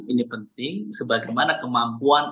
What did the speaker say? ini penting sebagaimana kemampuan